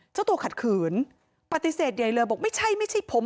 เจ้าตัวขัดขืนปฏิเสธใหญ่เลยบอกไม่ใช่ไม่ใช่ผม